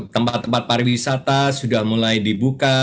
tempat tempat pariwisata sudah mulai dibuka